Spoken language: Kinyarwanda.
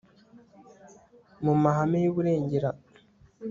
mu mahame y uburenganzira bw ibanze